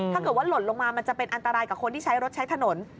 ถ้าเกิดว่าหล่นลงมามันจะเป็นอันตรายกับคนที่ใช้รถใช้ถนน